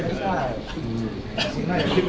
อืมน่าจะคิดเป็นโปรแกรมจริงจริงอ่ะ